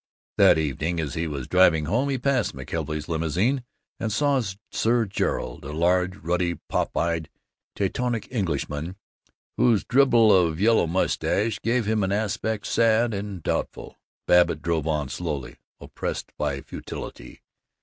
That evening, as he was driving home, he passed McKelvey's limousine and saw Sir Gerald, a large, ruddy, pop eyed, Teutonic Englishman whose dribble of yellow mustache gave him an aspect sad and doubtful. Babbitt drove on slowly, oppressed by futility.